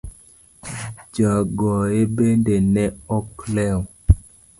Jagoye bende ne ok lew.